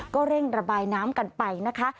ก็เร่งระบายน้ำกันไปนะคะ